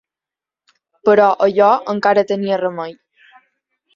Però allò encara tenia remei.